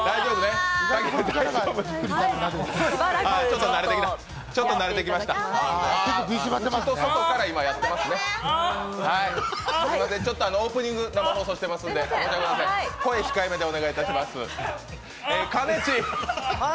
すいません、オープニング、生放送してますので、声控えめでお願いいたします。